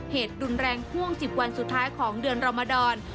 เหตุรุนแรงห่วง๑๐วันสุดท้ายของเดือนรมดร